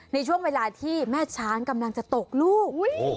ในช่วงเวลาที่แม่ช้างกำลังจะตกลูก